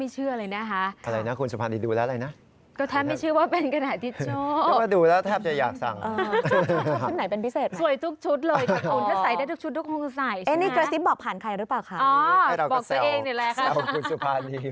ชุดนี้สวยนะครับ